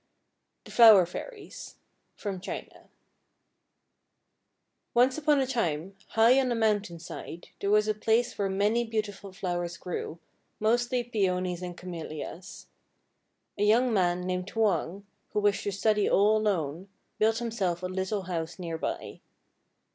THE FLOWER FAIRIES From China Once upon a time, high on a mountain side, there was a place where many beautiful flowers grew, mostly Peonies and Camellias. A young man named Hwang, who wished to study all alone, built himself a little house near by.